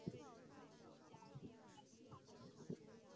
加强学生安全管理